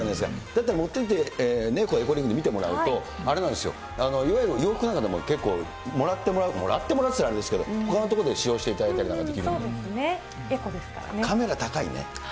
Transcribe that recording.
だったら持っていって、これ、エコリングで見てもらうと、あれなんですよ、いわゆる洋服なんかでも結構もらってもらう、もらってもらうっていったらあれですけど、ほかのところで使用していただけるなら。